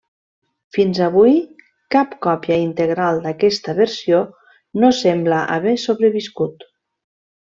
Fins avui, cap còpia integral d'aquesta versió no sembla haver sobreviscut.